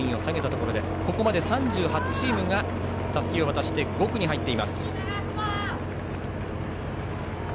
ここまで３８チームがたすきを渡して５区に入っています。